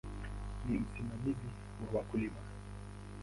Ni msimamizi wa wakulima.